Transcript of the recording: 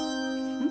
うん？